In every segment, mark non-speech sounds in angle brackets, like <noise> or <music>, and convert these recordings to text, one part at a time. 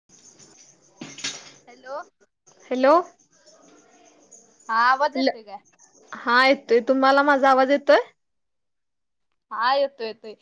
<unintelligible> Hello hello हा आवाज येतोय काय. हा येतोय तुम्हाला माझा आवाज येतोय. हा येतोय येतोय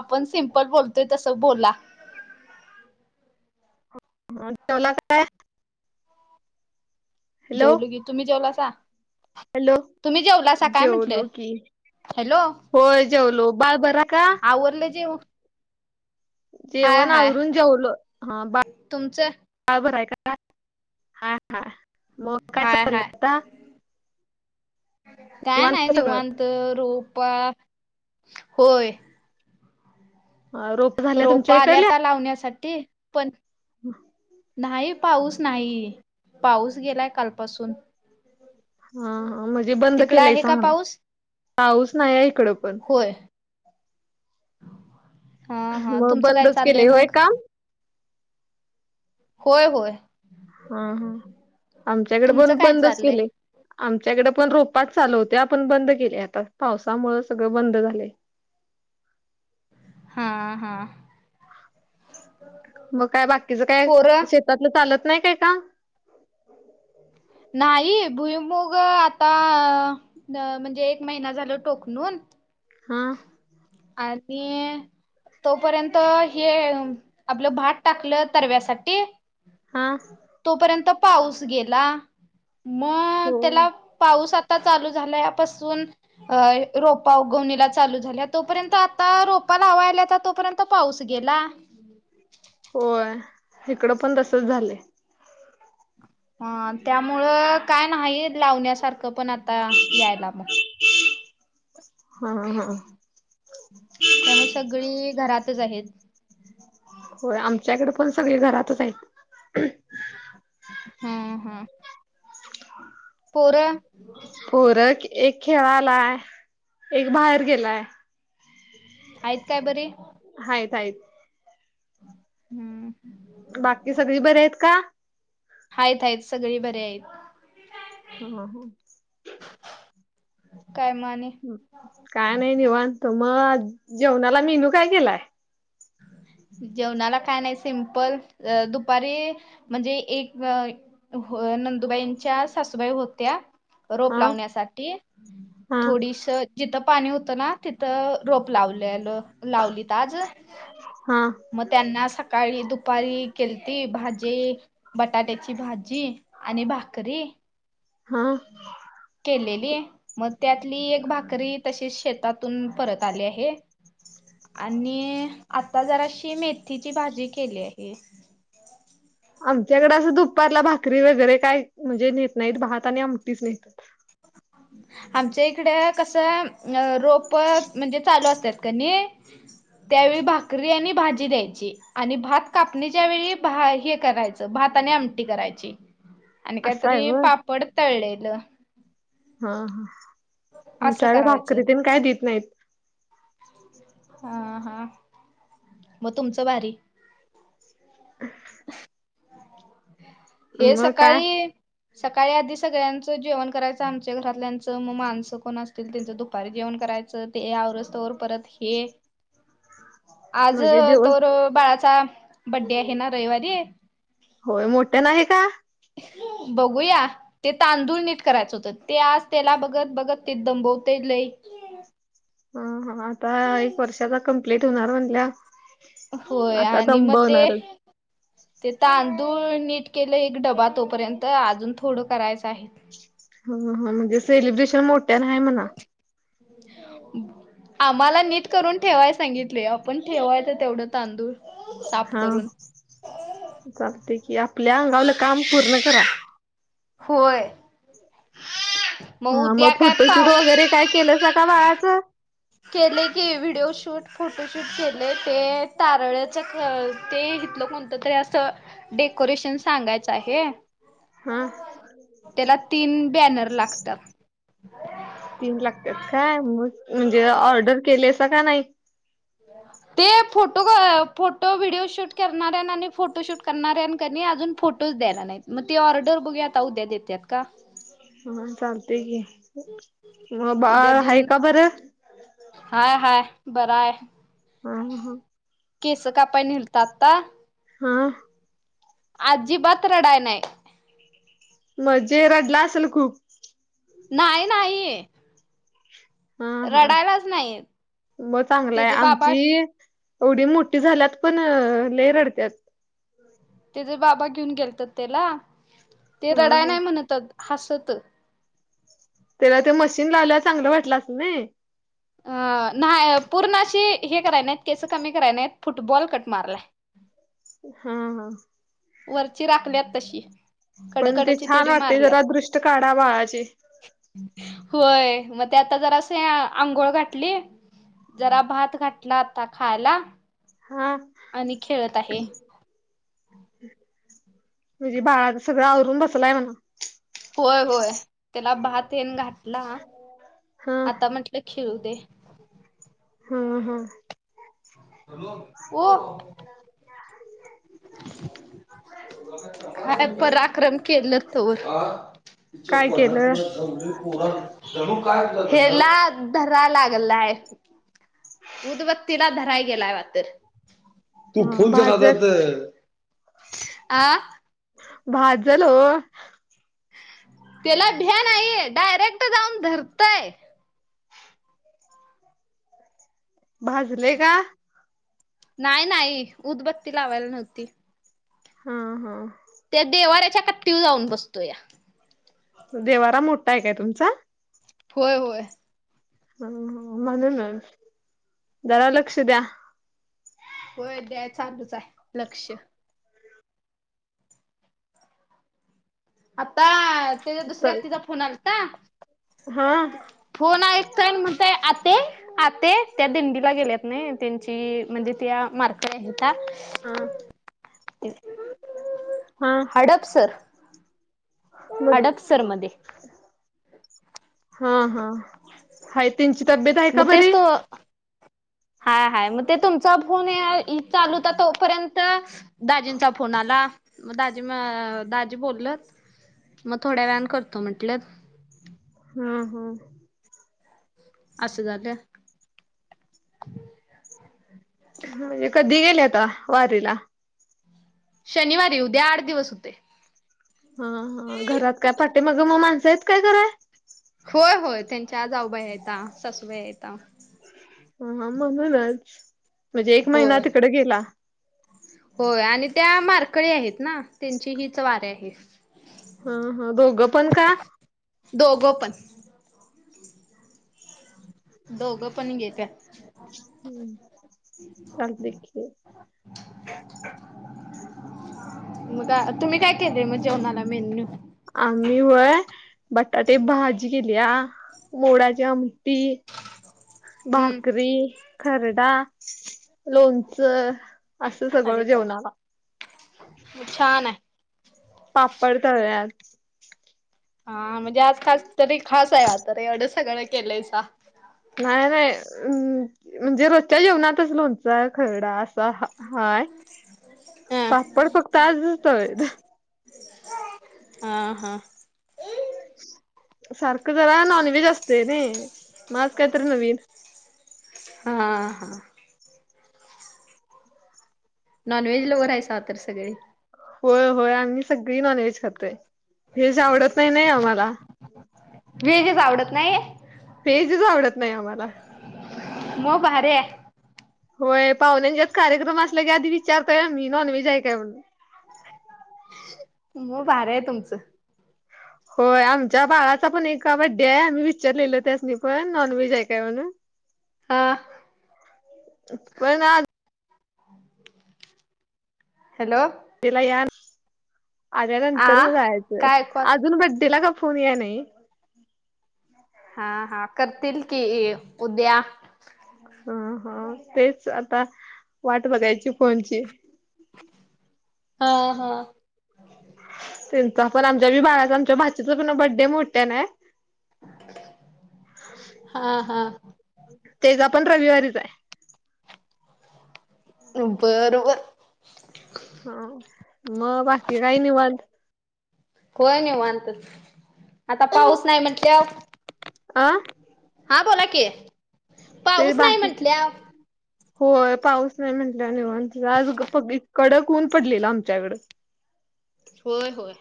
आपण सिम्पल बोलतोय तस बोला. ह जेवला काय हॅलो जेवलो की तुम्ही जेवलासा हॅलो तुम्ही जेवलासा काय म्हंटल. जेवलो की हॅलो होय जेवलो बाळ बरा का आवरल जेवु जेवण आवरून जेवल हा बा तुमचं बाळ भराय का हा मग काय हाय हाय चाललंय आता. काय नाय निवांत रोप होय. हा रोप झाल्या तुमच्या रोपा इकडल्या आल्याता लावण्यासाठी पण नाही पाऊस नाही पाऊस गेलाय कालपासून. हा हा म्हणजे बंद तिकडं केलाय आहे सा का म्हणावं पाऊस पाऊस नाही हाय इकडं पण. होय हा हा मग तुमचं काय बंदच चाललंय केलंय होय मग काम. होय होय. हा हा आमच्याकड तुमचं पण काय बंदच चाललंय केलयं आमच्याकड पण रोपाच चालू होत्या पण बंद केलय आता पावसामूळ सगळं बंद झालय. हा हा म काय बाकीच काय पोरं शेतातलं चालत नाही काय काम. नाही भुईमुग आता म्हणजे एक महिना झाल टोकणून. हां आणि तो पर्यंत हे आपलं भात टाकलं तरव्यासाठी. हा तोपर्यंत पाऊस गेला मग होय त्याला पाऊस आ आत्ता चालू झाल्यापासून अ रोपा उगवणीला चालू झाल्या तोपर्यंत आता रोपा लावाय आल्या आता तोपर्यंत पाऊस गेला. होय इकडं पण तसच झालंय. हा त्यामुळं काय नाही लावण्यासारखं पण आता यायला मग हा हा हा त्यामुळ सगळी घरातच आहेत. होय आमच्याकड पण सगळी घरातच हैत. हम्म हम्म <unintelligible> पोर. पोर एक खेळालाय एक बाहेर गेलाय. हैत काय बरी. हाईत हाईत. हम्म. बाकी सगळी बरी आहेत का आहेत आहेत सगळे बरे आहेत हा ह काय म आणी काय नाही निवाण त मग जेवणाला मेनू काय केलाय जेवणाला काय नाही सिम्पल दुपारी म्हणजे एक. हो नंदुबाईंच्या सासूबाई होत्या रोप हा लावण्यासाठी हा थोडीस जिथं पाणी होतं ना तिथं रोप लावलेलं लावली त आज हा मग त्यांना सकाळी दुपारी केलती भाजी बटाट्याची भाजी आणि भाकरी हा केलेली मग त्यातली एक भाकरी तशी शेतात ून परत आले आहे आणि आता जराशी मेथीची भाजी केली आहे आमच्याकडे असं दुपारला भाकरी वगैरे काय म्हणजे नेत नाहीत भात आणि आमटीच नहेतात <inaudible> आमच्या इकडे कसं रोप म्हणजे चालू असतात क नाही त्यावेळी भाकरी आणि भाजी द्यायची आणि भात कापणीच्या वेळी हे करायचं भाताने आमटी करायची ह आणि काहीतरी पापड तळलेलं हा हा असं आमच्याकडे करायचं भाकरी तेन काय देत नाहीत हा हा मग तुमचं भारी हे मग काय सकाळी <unintelligible> सकाळी आधी सगळ्यांचं जेवण करायच आमच्या घरातल्यांचं मग माणसं कोण असतील त्यांचं दुपारी जेवण करायच ते आवरो औस्तवर परत हे ह आज तरो बाळाचा बड्डे आहे ना रविवारी <unintelligible> होय मोठ्या नाही आहे का बघूया ते तांदूळ नट करायचं होतं ते आज त्याला बघत बघत ते दंबवते लय <unintelligible> ह आता एक वर्षाचा कंप्लीट होणार म्हणल्या <unintelligible> होय आणि मग ते ते तांदूळ नीट केलं एक डबा तोपर्यंत अजून थोडं करायचं आहे <unintelligible> ह ह म्हणजे सेलिब्रेशन मोठ्या आहे म्हणा <unintelligible> आम्हाला नीट करून ठेवाय सांगितले आपण ठेवायच तेवढं तांदूळ साफ हा करून चालते की आपल्या अंगावलं काम पूर्ण करा <unintelligible> होय हा मग उद्या काय फोटोशूट पाऊ वगैरे काय केलं स का बाळाच <unintelligible> केले की व्हिडिओ शूट फोटोशूट केले ते तारळच ख ते घेतलं कोणत तरी असं डेकोरेशन सांगायचं आहे <unintelligible> हम त्याला <unintelligible> तीन बॅनर लागतात तीन लागतात काय म म्हणजे ऑर्डर केलेस का नाही <unintelligible> <unintelligible> ते फोटो फोटो व्हिडिओ शूट करणाऱ्या आणि फोटोशूट करणाऱ्यां कनी अजून फोटोज द्याला नाही मग ती ऑर्डर बघू आता उद्या देतात का <unintelligible> हा चालते की मग बा उद्या आहे देऊन का बरं <unintelligible> हाय हाय बरा आहे हा ह ह केस कापाय न्हेलत आता हा अजिबात रडाय नाहीय मजे नाही नाही हा हा रडायलाच नाही म चांगलंय त्याचे बाबा आमची एवढी मोठी झाल्यात पण लय रडत्यात तेचे बाबा घेऊन गेलतात त्याला ते हा रडाय हा नाही म्हणतत हसत त्याला ते मशीन लावयला चांगलं वाटलं अस नाही अ नाही पूर्ण अशी हे कराय नाहीत केस कमी कराय नाहीयत फुटबॉल कट मारलाय हा हा वरची राखल्यात तशी. पण ते कडकडची छान तेवढी वाटते जरा मारल्यात दृष्ट काढा बाळाचे होय मग ते आता जरा असं आंघोळ घातली जरा भात घातला आता खायला हम आणि खेळत आहे म्हणजे बाळाच सगळं आवरून बसलाय म्हणा होय होय त्याला भात येन घातला हा आता म्हटलं खिळ दे हा हा ओ <inaudible> <inaudible> काय पराक्रम केलं तोवर. काय केलं हेला धर लागय उदबत्तीिला धराय गेलाय वाात तू हा फोनच्या नादात भाजत आ भाजलं ओ त्याला भ्या नाहीये डायरेक्ट जाऊन धरतय भाजले का नाही नाही उदबत्ती लावायला नव्हती हा हा त्या देवाऱ्याच्या कट्टीवर जाऊन बसतो या देवारा मोठा आहे काय तुमचा? होय होय ह.. म्हणून जरा लक्ष द्या. होय द्या चालूच आहे लक्ष आता त्याच्या दुसऱ्या तिचा फोन आलाता हा फोन ऐकतोय म्हणतय आते आ.. ते त्या दिंडीला गेल्यात ना त्यांची म्हणजे त्या मारक्या आहेत. हा <inaudible> हा सर मग हडपसर मध्ये हा हा हाय तीनची तब्येत आहे का मग तेच बरी? तू हाय, हाय मग ते तुमचा फोन चालूता तोपर्यंत दाजींचा फोन आला. मग दाजी, दाजी बोलल मग थोड्या व्यान करतो म्हटलत. हम्म, हम्म असं झाल. एका दिलय आता वारीला, शनिवारी उद्या आठ दिवस होते. हा, हा, घरात काय पाटे माग म माणसं आहेत काय कराय? होय, होय त्यांच्या जाऊबाया हाय त्या सासूबाई हाय त्या हा, हा, म्हणूनच म्हणजे एक महिना होय तिकडे गेला होय आणि त्या मारकळी आहेत ना त्यांची हीच वाऱ्या आहे. हा, हा, दोघं पण का? दोघ पन. दोघं पण घेत्या सांगते की हो. <inaudible> मग का तुम्ही काय केले मग जेवणाला मेन्यू? आम्ही होय बटाटे भाजी केलीया, मोडाची आमटी हम्म. भाकरी, खरडा, लोणचं असं सगळं अरे वा! जेवणा आला छान आहे. पापड तळल्यात. हा म्हणजे आज खास तरी खास आहे आ तर एवढं सगळं केलयसा. नाही, नाही म म्हणजे रोजच्या जेवणातच लोणच, खरडा अस हाय पापड फक्त आजच तळलेत. हा, हा. सारखं जरा नॉनव्हेज असते न माज काहीतरी नवीन. हा हा. नॉन व्हेज लोवर आहेसा तर सगळे. होय, होय आम्ही सगळी नॉन व्हेज खातोय व्हेज आवडत नाही, नाही आम्हाला. वेजच आवडत नाही. पेजच आवडत नाही आम्हाला मग भारी आहे होय पाहुण्यांच्यात कार्यक्रम असल्या की आधी विचारतोय आ मी नॉन व्हेज आहे काय म्हणून? मग भार आहे तुमचं. होय आमच्या बाळाचा पण एक बड्डे आहे आम्ही विचारलेलो त्याचनी पण नॉन व्हेज आहे काय म्हणून हां पण आज हॅलो. तिला या आल्यानंतर आ मग जायचं, काय कॉल? अजून बड्डेला का फोन या नाही. हा, हा करतील की उद्या ह.. हा.. तेच आता वाट बघायची फोनची हा हा. त्यांचा पण आमच्याी बाळाच आमच्या भाचीचा पण बर्डे हाय मोठ्या हाय. हा हा. तेजा पण रविवारीच आहे. बर बर हा मग बाकी काही निवांत. होय निवांत आता पाऊस नाही म्हटल्यावर आं हा बोलाकी‌ ते बाकीचे होय पाऊस नाही म्हटल्यानेव निवांत आज कडक ऊन पडलेलं आमच्याकडं होय, होय.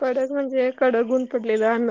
कडक म्हणजे कडक ऊन पडलेलं अ्